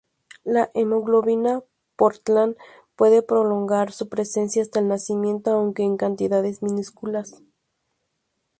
La hemoglobina Portland puede prolongar su presencia hasta el nacimiento, aunque en cantidades minúsculas.